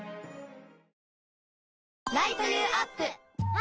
あ！